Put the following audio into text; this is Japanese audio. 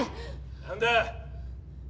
何だ？